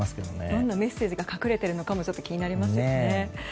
どんなメッセージが隠れているかも気になりますね。